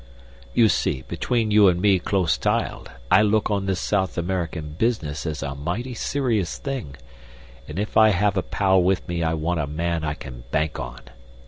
You see, between you an' me close tiled, I look on this South American business as a mighty serious thing, and if I have a pal with me I want a man I can bank on.